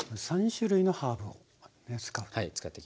３種類のハーブを使って。